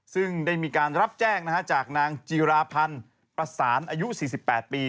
ซึ่งได้มีการรับแจ้งจากนางจีราพันธ์ประสานอายุ๔๘ปี